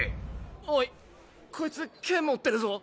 おいこいつ剣持ってるぞ。